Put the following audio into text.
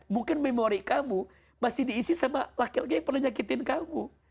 mungkin memori kamu masih diisi sama laki laki yang perlu nyakitin kamu